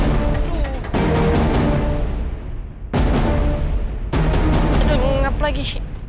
aduh masuk kolong lagi